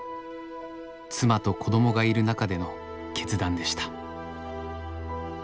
妻と子供がいる中での決断でした。